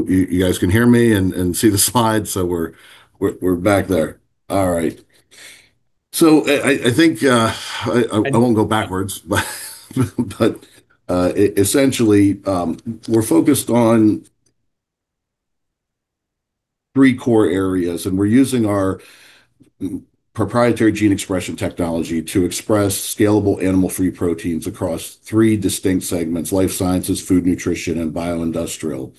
You guys can hear me and see the slides? We're back there. All right. I think I won't go backwards, but essentially, we're focused on three core areas, and we're using our proprietary gene expression technology to express scalable animal-free proteins across three distinct segments: Life Sciences, Food Nutrition, and Bioindustrial.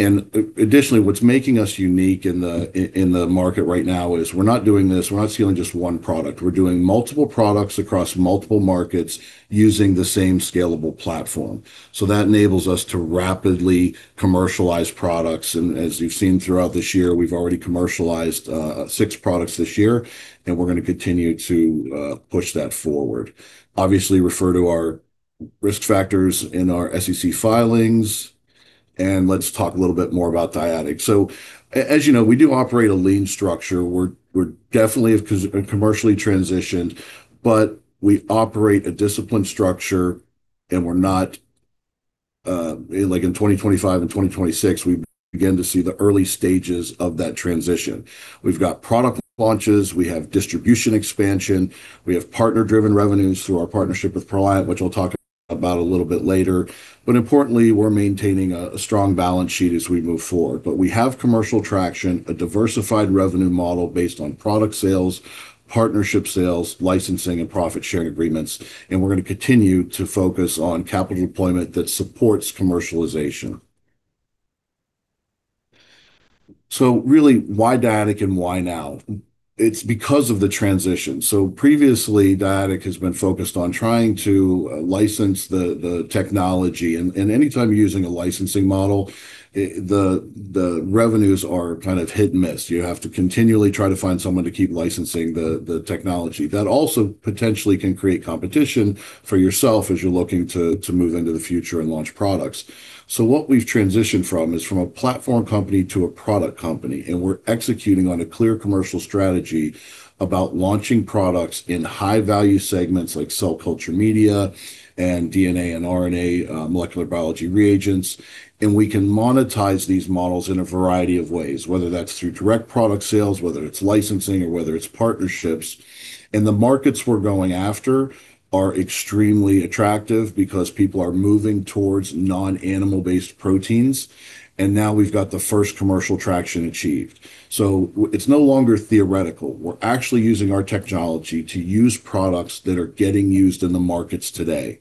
Additionally, what's making us unique in the market right now is we're not doing this, we're not scaling just one product. We're doing multiple products across multiple markets using the same scalable platform. That enables us to rapidly commercialize products, and as you've seen throughout this year, we've already commercialized six products this year, and we're going to continue to push that forward. Obviously, refer to our risk factors in our SEC filings, and let's talk a little bit more about Dyadic. As you know, we do operate a lean structure. We're definitely commercially transitioned. We operate a disciplined structure. Like in 2025 and 2026, we begin to see the early stages of that transition. We've got product launches, we have distribution expansion, we have partner-driven revenues through our partnership with Proliant, which I'll talk about a little bit later. Importantly, we're maintaining a strong balance sheet as we move forward. We have commercial traction, a diversified revenue model based on product sales, partnership sales, licensing, and profit-sharing agreements. We're going to continue to focus on capital deployment that supports commercialization. Really, why Dyadic and why now? It's because of the transition. Previously, Dyadic has been focused on trying to license the technology. Anytime you're using a licensing model, the revenues are kind of hit and miss. You have to continually try to find someone to keep licensing the technology. That also potentially can create competition for yourself as you're looking to move into the future and launch products. What we've transitioned from is from a platform company to a product company, and we're executing on a clear commercial strategy about launching products in high-value segments like cell culture media and DNA and RNA molecular biology reagents. We can monetize these models in a variety of ways, whether that's through direct product sales, whether it's licensing or whether it's partnerships. The markets we're going after are extremely attractive because people are moving towards non-animal-based proteins. Now we've got the first commercial traction achieved. It's no longer theoretical. We're actually using our technology to use products that are getting used in the markets today.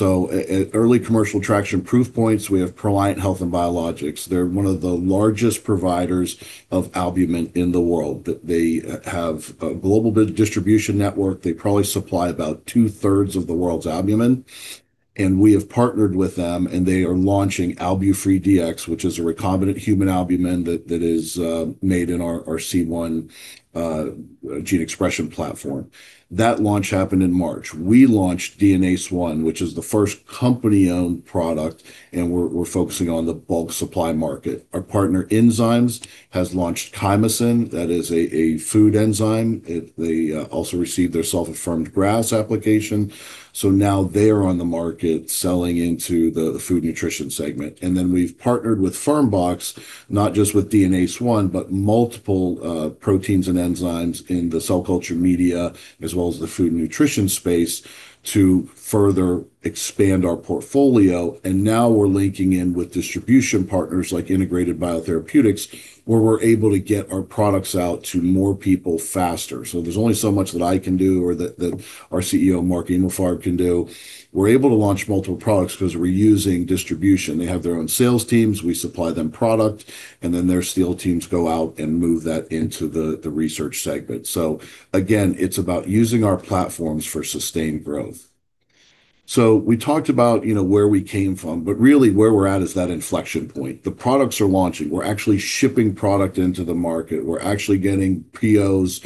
Early commercial traction proof points, we have Proliant Health & Biologicals. They're one of the largest providers of albumin in the world. They have a global distribution network. They probably supply about 2/3 of the world's albumin. We have partnered with them, and they are launching AlbuFree DX, which is a recombinant human albumin that is made in our C1 gene expression platform. That launch happened in March. We launched DNase I, which is the first company-owned product, and we're focusing on the bulk supply market. Our partner, Inzymes, has launched chymosin. That is a food enzyme. They also received their self-affirmed GRAS application, now they are on the market selling into the food nutrition segment. We've partnered with Fermbox, not just with DNase I, but multiple proteins and enzymes in the cell culture media as well as the food and nutrition space to further expand our portfolio. Now we're linking in with distribution partners like Integrated BioTherapeutics, where we're able to get our products out to more people faster. There's only so much that I can do or that our CEO, Mark Emalfarb, can do. We're able to launch multiple products because we're using distribution. They have their own sales teams, we supply them product, and then their sales teams go out and move that into the research segment. Again, it's about using our platforms for sustained growth. We talked about where we came from, but really where we're at is that inflection point. The products are launching. We're actually shipping product into the market. We're actually getting POs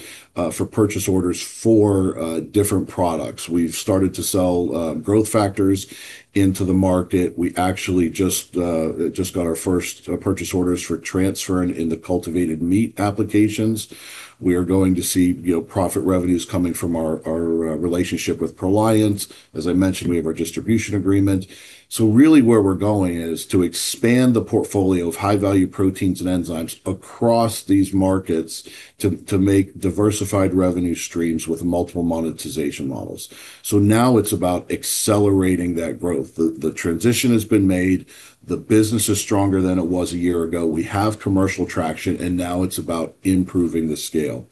for Purchase Orders for different products. We've started to sell growth factors into the market. We actually just got our first Purchase Orders for transferrin in the cultivated meat applications. We are going to see profit revenues coming from our relationship with Proliant. As I mentioned, we have our distribution agreement. Really where we're going is to expand the portfolio of high-value proteins and enzymes across these markets to make diversified revenue streams with multiple monetization models. Now it's about accelerating that growth. The transition has been made. The business is stronger than it was a year ago. We have commercial traction, and now it's about improving the scale.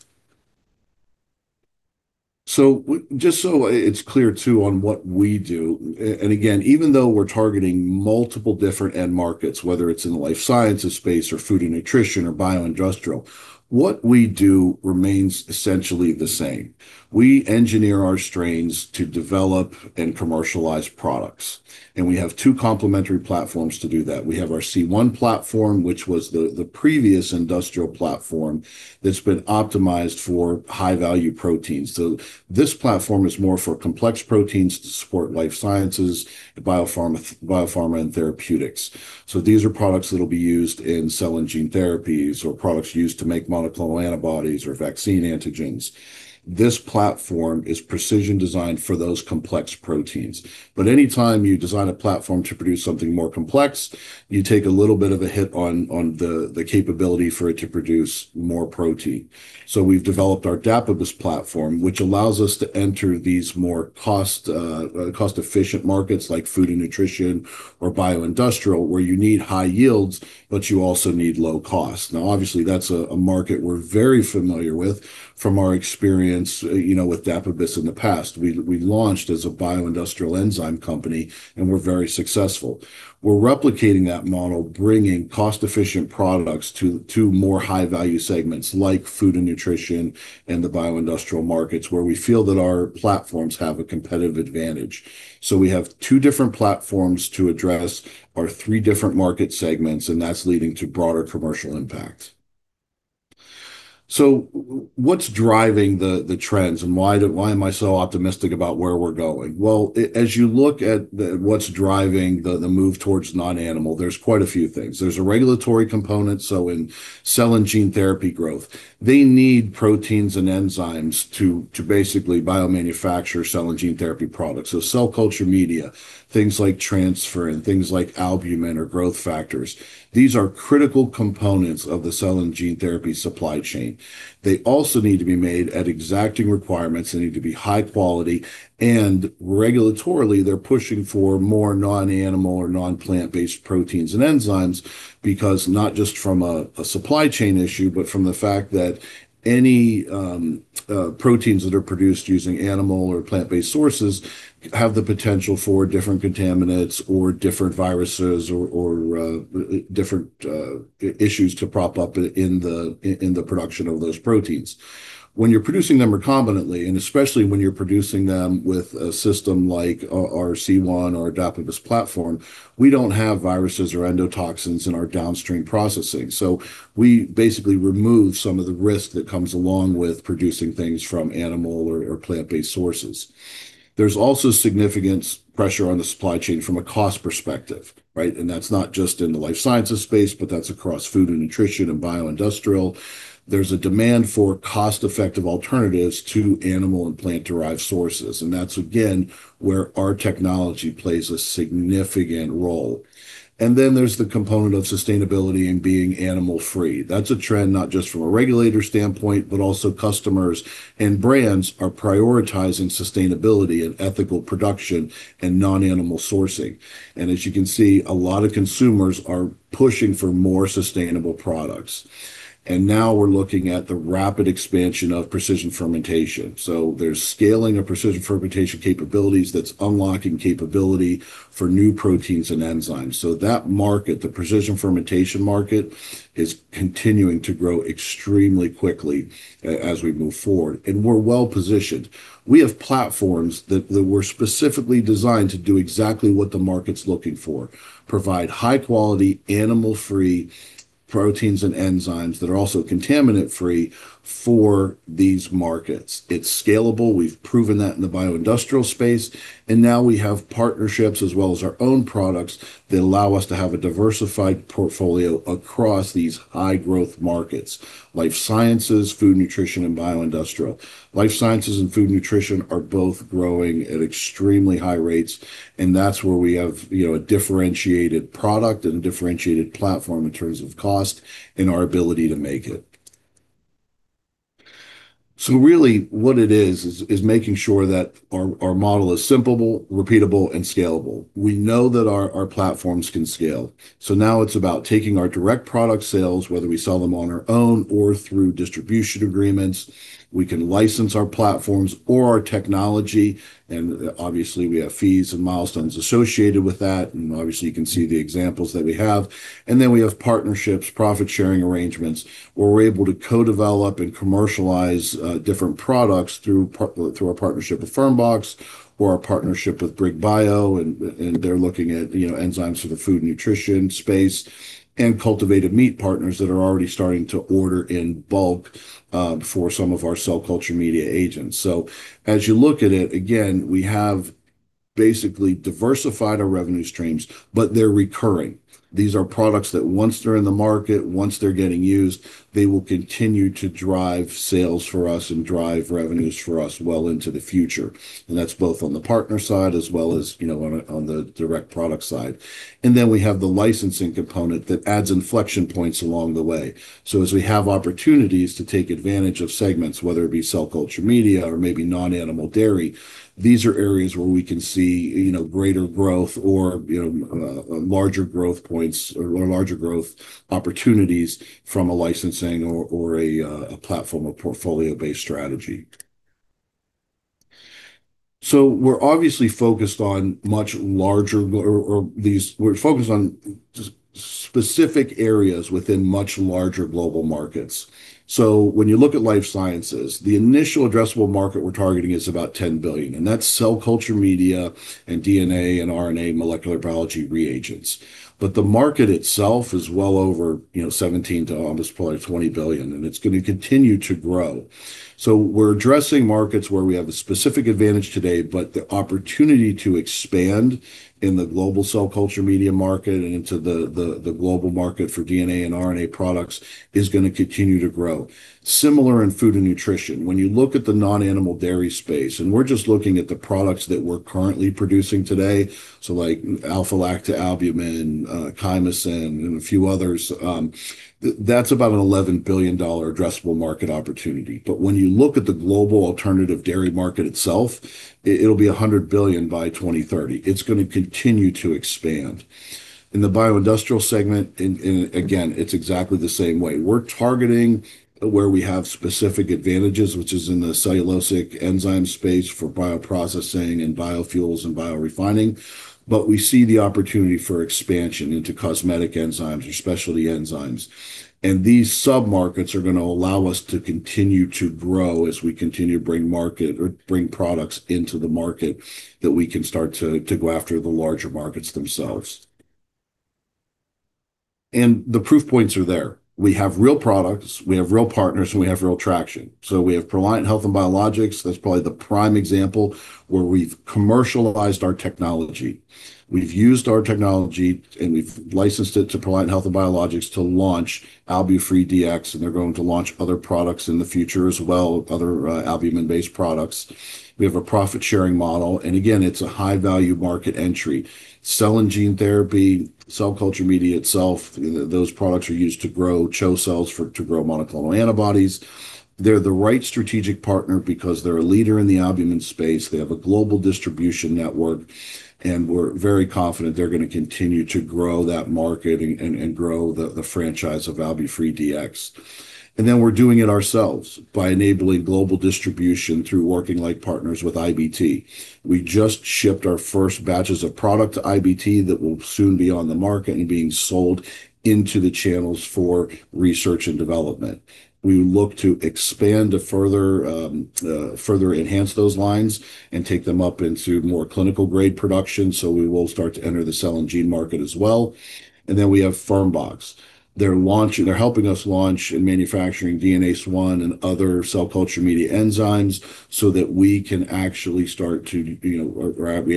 Just so it's clear, too, on what we do, and again, even though we're targeting multiple different end markets, whether it's in the life sciences space or food and nutrition or bioindustrial, what we do remains essentially the same. We engineer our strains to develop and commercialize products. We have two complementary platforms to do that. We have our C1 platform, which was the previous industrial platform that's been optimized for high-value proteins. This platform is more for complex proteins to support life sciences, biopharma, and therapeutics. These are products that'll be used in cell and gene therapies or products used to make monoclonal antibodies or vaccine antigens. This platform is precision designed for those complex proteins. Anytime you design a platform to produce something more complex, you take a little bit of a hit on the capability for it to produce more protein. We've developed our Dapibus platform, which allows us to enter these more cost-efficient markets like food and nutrition or bioindustrial, where you need high yields, but you also need low cost. Obviously, that's a market we're very familiar with from our experience with Dapibus in the past. We launched as a bioindustrial enzyme company, and we're very successful. We're replicating that model, bringing cost-efficient products to more high-value segments like food and nutrition and the bioindustrial markets, where we feel that our platforms have a competitive advantage. We have two different platforms to address our three different market segments, and that's leading to broader commercial impact. What's driving the trends, and why am I so optimistic about where we're going? Well, as you look at what's driving the move towards non-animal, there's quite a few things. There's a regulatory component. In cell and gene therapy growth, they need proteins and enzymes to basically biomanufacture cell and gene therapy products. Cell culture media, things like transferrin, things like albumin or growth factors. These are critical components of the cell and gene therapy supply chain. They also need to be made at exacting requirements. They need to be high quality, and regulatorily, they're pushing for more non-animal or non-plant-based proteins and enzymes because not just from a supply chain issue, but from the fact that any proteins that are produced using animal or plant-based sources have the potential for different contaminants or different viruses or different issues to prop up in the production of those proteins. When you're producing them recombinantly, and especially when you're producing them with a system like our C1 or Dapibus platform, we don't have viruses or endotoxins in our downstream processing. We basically remove some of the risk that comes along with producing things from animal or plant-based sources. There's also significant pressure on the supply chain from a cost perspective, right? That's not just in the life sciences space, but that's across food and nutrition and bioindustrial. There's a demand for cost-effective alternatives to animal and plant-derived sources, and that's again where our technology plays a significant role. Then there's the component of sustainability and being animal-free. That's a trend not just from a regulator standpoint, but also customers and brands are prioritizing sustainability and ethical production and non-animal sourcing. As you can see, a lot of consumers are pushing for more sustainable products. Now we're looking at the rapid expansion of precision fermentation. There's scaling of precision fermentation capabilities that's unlocking capability for new proteins and enzymes. That market, the precision fermentation market, is continuing to grow extremely quickly as we move forward, and we're well-positioned. We have platforms that were specifically designed to do exactly what the market's looking for, provide high-quality, animal-free proteins and enzymes that are also contaminant-free for these markets. It's scalable. We've proven that in the bioindustrial space, and now we have partnerships as well as our own products that allow us to have a diversified portfolio across these high-growth markets: life sciences, food nutrition, and bioindustrial. Life sciences and food nutrition are both growing at extremely high rates, and that's where we have a differentiated product and a differentiated platform in terms of cost and our ability to make it. Really what it is making sure that our model is simple, repeatable, and scalable. We know that our platforms can scale. Now it's about taking our direct product sales, whether we sell them on our own or through distribution agreements. We can license our platforms or our technology. Obviously, we have fees and milestones associated with that. Obviously, you can see the examples that we have. We have partnerships, profit-sharing arrangements, where we're able to co-develop and commercialize different products through our partnership with Fermbox or our partnership with BRIG BIO, and they're looking at enzymes for the food and nutrition space, and cultivated meat partners that are already starting to order in bulk for some of our cell culture media agents. As you look at it, again, we have basically diversified our revenue streams, but they're recurring. These are products that once they're in the market, once they're getting used, they will continue to drive sales for us and drive revenues for us well into the future. That's both on the partner side as well as on the direct product side. We have the licensing component that adds inflection points along the way. As we have opportunities to take advantage of segments, whether it be cell culture media or maybe non-animal dairy, these are areas where we can see greater growth or larger growth points or larger growth opportunities from a licensing or a platform or portfolio-based strategy. We're obviously focused on specific areas within much larger global markets. When you look at life sciences, the initial addressable market we're targeting is about $10 billion, and that's cell culture media and DNA and RNA molecular biology reagents. The market itself is well over $17 billion to almost probably $20 billion, and it's going to continue to grow. We're addressing markets where we have a specific advantage today, but the opportunity to expand in the global cell culture media market and into the global market for DNA and RNA products is going to continue to grow. Similar in food and nutrition, when you look at the non-animal dairy space, and we're just looking at the products that we're currently producing today, so like alpha-lactalbumin, chymosin, and a few others, that's about an $11 billion addressable market opportunity. When you look at the global alternative dairy market itself, it'll be $100 billion by 2030. It's going to continue to expand. In the bioindustrial segment, again, it's exactly the same way. We're targeting where we have specific advantages, which is in the cellulosic enzyme space for bioprocessing and biofuels and biorefining, but we see the opportunity for expansion into cosmetic enzymes or specialty enzymes. These sub-markets are going to allow us to continue to grow as we continue to bring products into the market that we can start to go after the larger markets themselves. The proof points are there. We have real products, we have real partners, and we have real traction. We have Proliant Health & Biologicals. That's probably the prime example where we've commercialized our technology. We've used our technology, and we've licensed it to Proliant Health & Biologicals to launch AlbuFree DX, and they're going to launch other products in the future as well, other albumin-based products. We have a profit-sharing model, and again, it's a high-value market entry. cell and gene therapy, cell culture media itself, those products are used to grow CHO cells to grow monoclonal antibodies. They're the right strategic partner because they're a leader in the albumin space. They have a global distribution network, and we're very confident they're going to continue to grow that market and grow the franchise of AlbuFree DX. We're doing it ourselves by enabling global distribution through working like partners with IBT. We just shipped our first batches of product to IBT that will soon be on the market and being sold into the channels for research and development. We look to expand to further enhance those lines and take them up into more clinical-grade production. We will start to enter the cell and gene market as well. We have Fermbox. They're helping us launch and manufacturing DNase I and other cell culture media enzymes so that we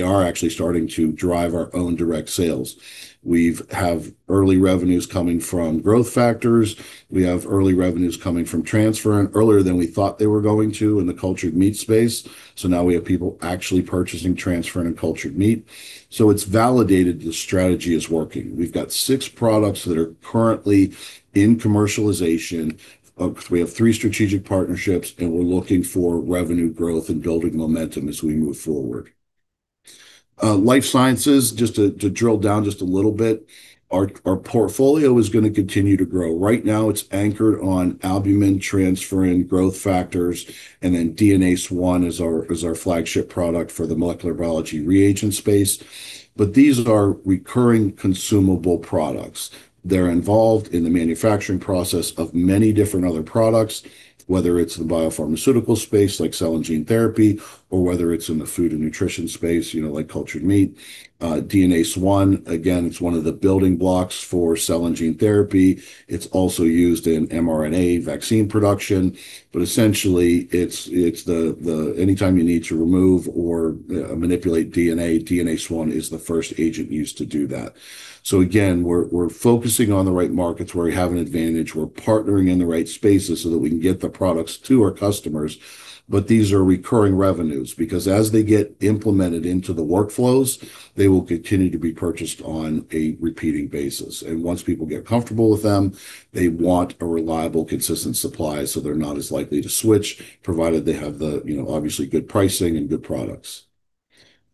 are actually starting to drive our own direct sales. We have early revenues coming from growth factors. We have early revenues coming from transferrin, earlier than we thought they were going to in the cultured meat space. Now we have people actually purchasing transferrin and cultured meat. It's validated the strategy is working. We've got six products that are currently in commercialization. We have three strategic partnerships, and we're looking for revenue growth and building momentum as we move forward. Life sciences, just to drill down just a little bit, our portfolio is going to continue to grow. Right now, it's anchored on albumin, transferrin, growth factors, and then DNase I is our flagship product for the molecular biology reagent space. These are recurring consumable products. They're involved in the manufacturing process of many different other products, whether it's the biopharmaceutical space like cell and gene therapy or whether it's in the food and nutrition space like cultured meat. DNase I, again, it's one of the building blocks for cell and gene therapy. It's also used in mRNA vaccine production. Essentially, anytime you need to remove or manipulate DNA, DNase I is the first agent used to do that. Again, we're focusing on the right markets where we have an advantage. We're partnering in the right spaces so that we can get the products to our customers. These are recurring revenues because as they get implemented into the workflows, they will continue to be purchased on a repeating basis. Once people get comfortable with them, they want a reliable, consistent supply, so they're not as likely to switch, provided they have the obviously good pricing and good products.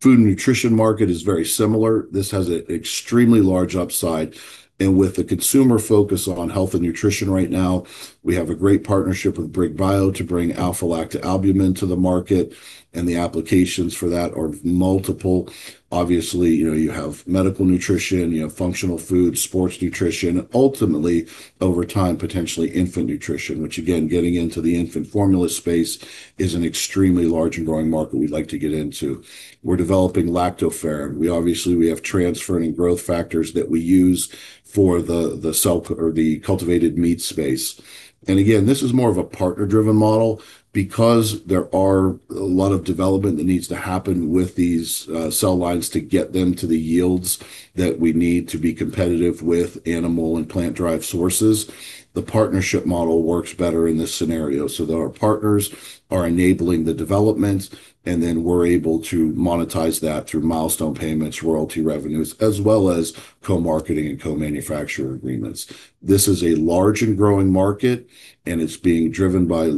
Food and nutrition market is very similar. This has an extremely large upside. With the consumer focus on health and nutrition right now, we have a great partnership with BRIG Bio to bring alpha-lactalbumin to the market, and the applications for that are multiple. Obviously, you have medical nutrition, you have functional food, sports nutrition, ultimately, over time, potentially infant nutrition, which again, getting into the infant formula space is an extremely large and growing market we'd like to get into. We're developing lactoferrin. Obviously, we have transferrin and growth factors that we use for the cultivated meat space. Again, this is more of a partner-driven model because there are a lot of development that needs to happen with these cell lines to get them to the yields that we need to be competitive with animal and plant-derived sources. The partnership model works better in this scenario so that our partners are enabling the development, and then we're able to monetize that through milestone payments, royalty revenues, as well as co-marketing and co-manufacturing agreements. This is a large and growing market, and it's being driven by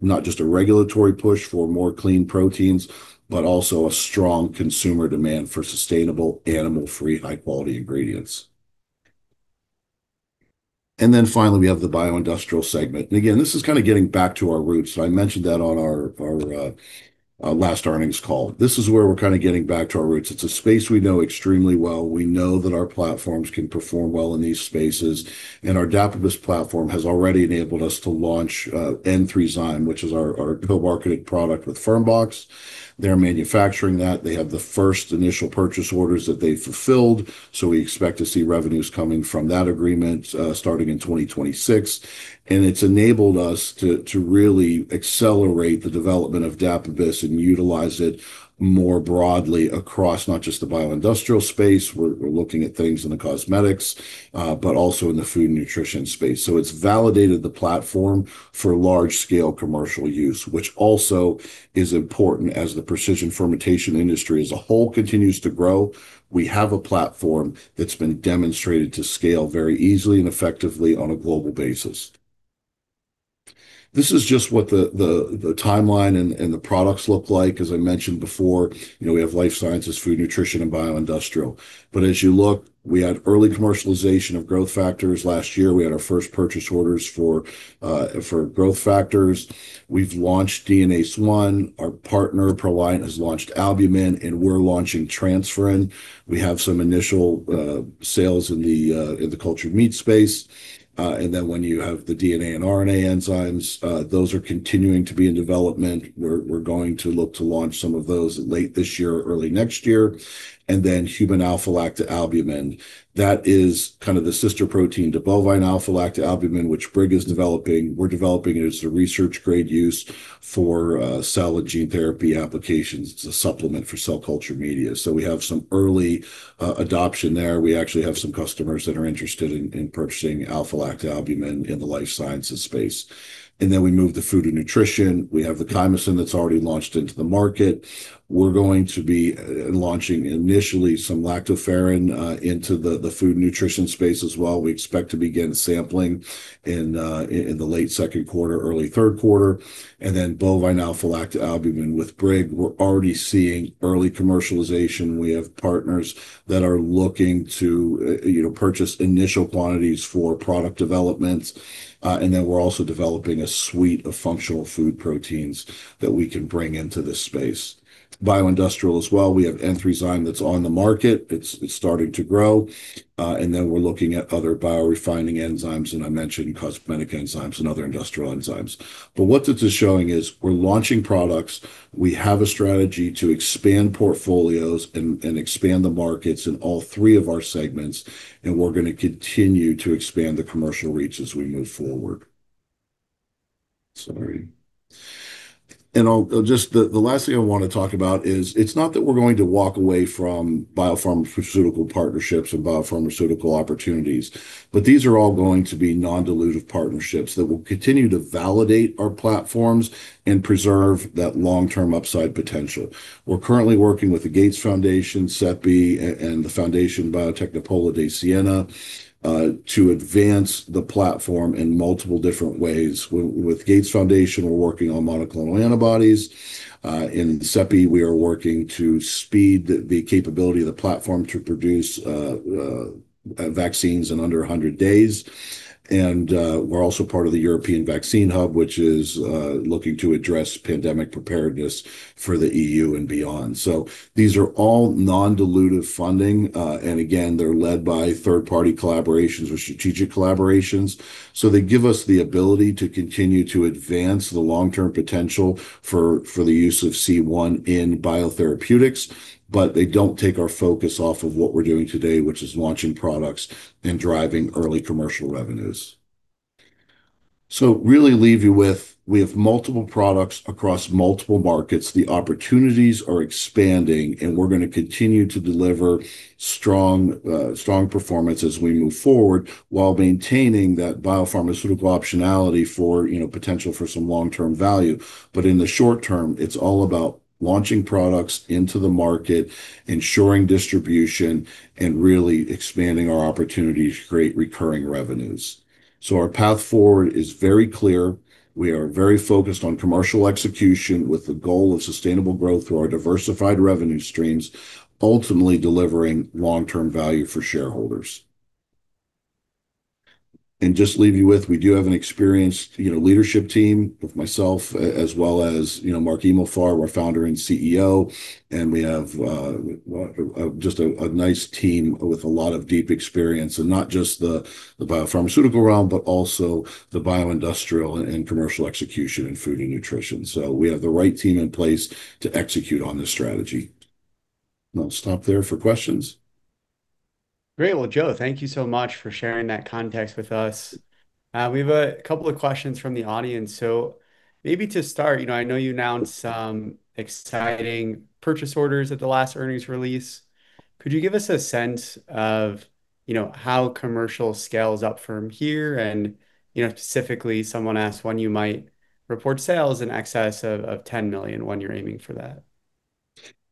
not just a regulatory push for more clean proteins, but also a strong consumer demand for sustainable animal-free, high-quality ingredients. Finally, we have the bioindustrial segment. Again, this is kind of getting back to our roots. I mentioned that on our last earnings call. This is where we're kind of getting back to our roots. It's a space we know extremely well. We know that our platforms can perform well in these spaces, and our Dapibus platform has already enabled us to launch EN3ZYME, which is our co-marketed product with Fermbox. They're manufacturing that. They have the first initial purchase orders that they've fulfilled, so we expect to see revenues coming from that agreement starting in 2026. It's enabled us to really accelerate the development of Dapibus and utilize it more broadly across not just the bioindustrial space, we're looking at things in the cosmetics, but also in the food and nutrition space. It's validated the platform for large-scale commercial use, which also is important as the precision fermentation industry as a whole continues to grow. We have a platform that's been demonstrated to scale very easily and effectively on a global basis. This is just what the timeline and the products look like. As I mentioned before, we have life sciences, food and nutrition, and bioindustrial. As you look, we had early commercialization of growth factors last year. We had our first purchase orders for growth factors. We've launched DNase I. Our partner, Proliant, has launched albumin, and we're launching transferrin. We have some initial sales in the cultured meat space. When you have the DNA and RNA enzymes, those are continuing to be in development. We're going to look to launch some of those late this year or early next year. Human alpha-lactalbumin. That is kind of the sister protein to bovine alpha-lactalbumin, which Brig is developing. We're developing it as a research-grade use for cell and gene therapy applications as a supplement for cell culture media. We have some early adoption there. We actually have some customers that are interested in purchasing alpha-lactalbumin in the life sciences space. We move to food and nutrition. We have the Chymosin that's already launched into the market. We're going to be launching initially some lactoferrin into the food and nutrition space as well. We expect to begin sampling in the late second quarter, early third quarter. Bovine alpha-lactalbumin with BRIG. We're already seeing early commercialization. We have partners that are looking to purchase initial quantities for product development. Then we're also developing a suite of functional food proteins that we can bring into this space. Bioindustrial as well, we have EN3ZYME that's on the market. It's starting to grow. Then we're looking at other biorefining enzymes, and I mentioned cosmetic enzymes and other industrial enzymes. What this is showing is we're launching products, we have a strategy to expand portfolios and expand the markets in all three of our segments, and we're going to continue to expand the commercial reach as we move forward. Sorry. The last thing I want to talk about is it's not that we're going to walk away from biopharmaceutical partnerships and biopharmaceutical opportunities, but these are all going to be non-dilutive partnerships that will continue to validate our platforms and preserve that long-term upside potential. We're currently working with the Gates Foundation, CEPI, and the Foundation Biotecnopolo di Siena to advance the platform in multiple different ways. With Gates Foundation, we're working on monoclonal antibodies. In CEPI, we are working to speed the capability of the platform to produce vaccines in under 100 days. We're also part of the European Vaccine Hub, which is looking to address pandemic preparedness for the EU and beyond. These are all non-dilutive funding. Again, they're led by third-party collaborations or strategic collaborations. They give us the ability to continue to advance the long-term potential for the use of C1 in biotherapeutics, but they don't take our focus off of what we're doing today, which is launching products and driving early commercial revenues. Really leave you with, we have multiple products across multiple markets. The opportunities are expanding, and we're going to continue to deliver strong performance as we move forward while maintaining that biopharmaceutical optionality for potential for some long-term value. In the short term, it's all about launching products into the market, ensuring distribution, and really expanding our opportunity to create recurring revenues. Our path forward is very clear. We are very focused on commercial execution with the goal of sustainable growth through our diversified revenue streams, ultimately delivering long-term value for shareholders. Just leave you with, we do have an experienced leadership team with myself, as well as Mark Emalfarb, our Founder and CEO. We have just a nice team with a lot of deep experience in not just the biopharmaceutical realm, but also the bioindustrial and commercial execution in food and nutrition. We have the right team in place to execute on this strategy. I'll stop there for questions. Great. Well, Joe, thank you so much for sharing that context with us. We have a couple of questions from the audience. Maybe to start, I know you announced some exciting purchase orders at the last earnings release. Could you give us a sense of how commercial scales up from here and specifically someone asked when you might report sales in excess of $10 million, when you're aiming for that?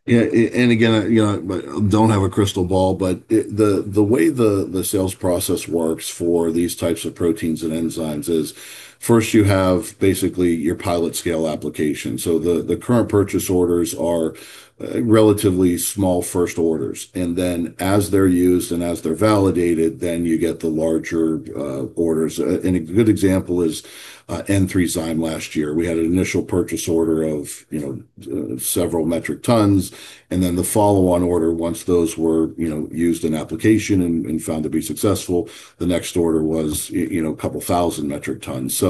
Yeah. Again, I don't have a crystal ball, but the way the sales process works for these types of proteins and enzymes is first you have basically your pilot scale application. The current purchase orders are relatively small first orders, and then as they're used and as they're validated, then you get the larger orders. A good example is EN3ZYME last year. We had an initial purchase order of several metric tons, and then the follow-on order, once those were used in application and found to be successful, the next order was a couple thousand metric tons.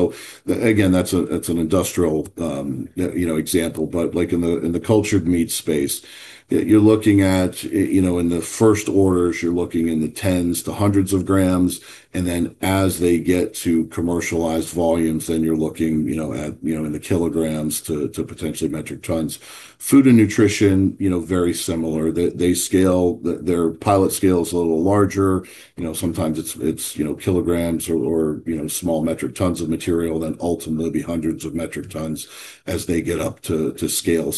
Again, that's an industrial example, but in the cultured meat space you're looking at in the first orders, you're looking in the tens to hundreds of grams, and then as they get to commercialized volumes, then you're looking in the kilograms to potentially metric tons. Food and nutrition, very similar. Their pilot scale is a little larger. Sometimes it's kilograms or small metric tons of material, then ultimately it'll be hundreds of metric tons as they get up to scale.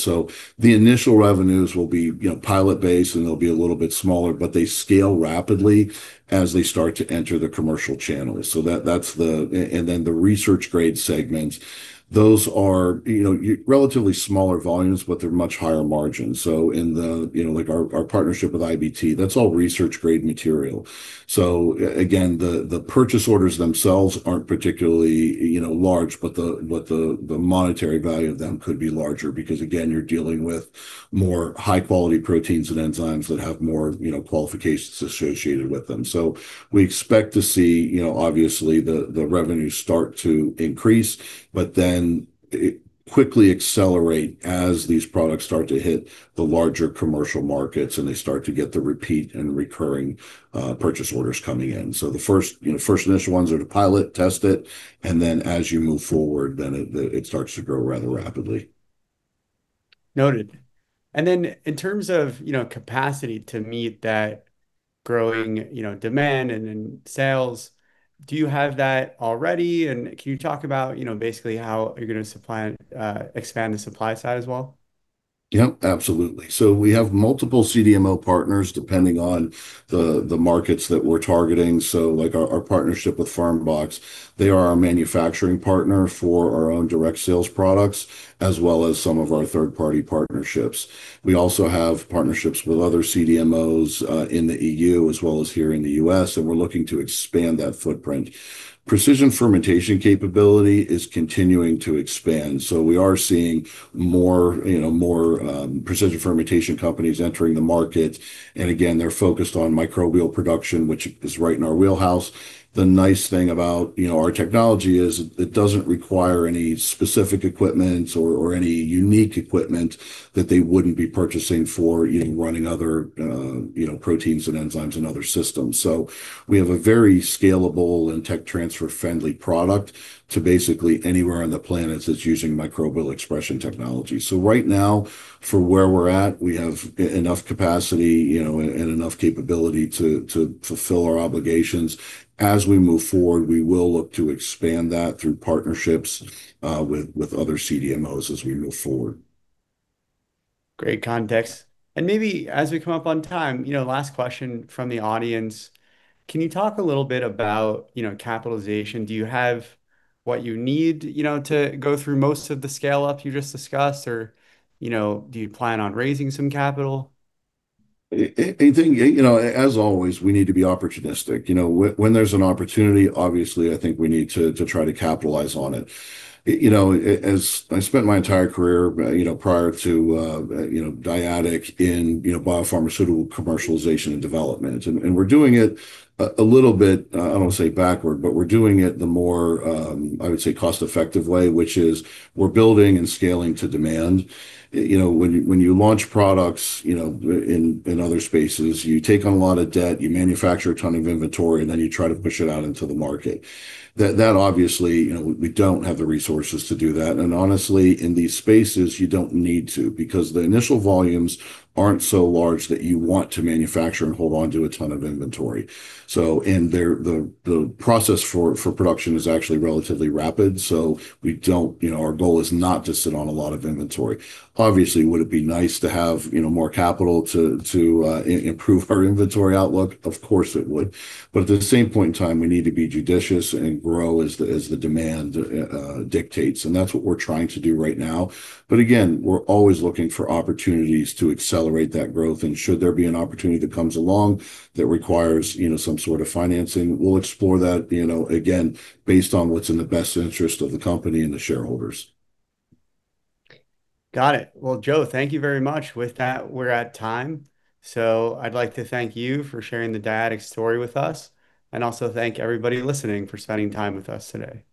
The initial revenues will be pilot-based, and they'll be a little bit smaller, but they scale rapidly as they start to enter the commercial channels. The research grade segments, those are relatively smaller volumes, but they're much higher margins. In our partnership with IBT, that's all research grade material. Again, the purchase orders themselves aren't particularly large, but the monetary value of them could be larger because, again, you're dealing with more high-quality proteins and enzymes that have more qualifications associated with them. We expect to see, obviously, the revenue start to increase, but then it quickly accelerate as these products start to hit the larger commercial markets and they start to get the repeat and recurring purchase orders coming in. The first initial ones are to pilot test it, and then as you move forward, then it starts to grow rather rapidly. Noted. In terms of capacity to meet that growing demand and in sales, do you have that already? Can you talk about basically how you're going to expand the supply side as well? Yep, absolutely. We have multiple CDMO partners depending on the markets that we're targeting. Our partnership with Fermbox, they are our manufacturing partner for our own direct sales products as well as some of our third-party partnerships. We also have partnerships with other CDMOs in the EU as well as here in the U.S., and we're looking to expand that footprint. Precision fermentation capability is continuing to expand. We are seeing more precision fermentation companies entering the market. Again, they're focused on microbial production, which is right in our wheelhouse. The nice thing about our technology is it doesn't require any specific equipment or any unique equipment that they wouldn't be purchasing for running other proteins and enzymes in other systems. We have a very scalable and tech transfer-friendly product to basically anywhere on the planet that's using microbial expression technology. Right now, for where we're at, we have enough capacity and enough capability to fulfill our obligations. As we move forward, we will look to expand that through partnerships with other CDMOs as we move forward. Great context. Maybe as we come up on time, last question from the audience. Can you talk a little bit about capitalization? Do you have what you need to go through most of the scale-up you just discussed, or do you plan on raising some capital? I think, as always, we need to be opportunistic. When there's an opportunity, obviously, I think we need to try to capitalize on it. I spent my entire career, prior to Dyadic, in biopharmaceutical commercialization and development. We're doing it a little bit, I don't want to say backward, but we're doing it the more, I would say, cost-effective way, which is we're building and scaling to demand. When you launch products in other spaces, you take on a lot of debt, you manufacture a ton of inventory, and then you try to push it out into the market. That, obviously, we don't have the resources to do that. Honestly, in these spaces, you don't need to because the initial volumes aren't so large that you want to manufacture and hold onto a ton of inventory. The process for production is actually relatively rapid. Our goal is not to sit on a lot of inventory. Obviously, would it be nice to have more capital to improve our inventory outlook? Of course it would. At the same point in time, we need to be judicious and grow as the demand dictates. That's what we're trying to do right now. Again, we're always looking for opportunities to accelerate that growth. Should there be an opportunity that comes along that requires some sort of financing, we'll explore that, again, based on what's in the best interest of the company and the shareholders. Got it. Well, Joe, thank you very much. With that, we're at time. I'd like to thank you for sharing the Dyadic story with us and also thank everybody listening for spending time with us today.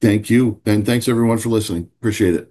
Thank you. Thanks, everyone, for listening. Appreciate it.